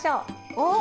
おっ！